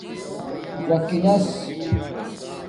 ژکانس